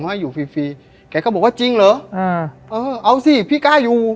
ให้อยู่ฟรีฟรีแกก็บอกว่าจริงเหรออ่าเออเอาสิพี่กล้าอยู่